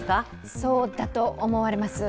そうだと思われます。